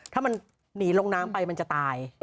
ถ้ามันหนีลงน้ำไปมันจะตาย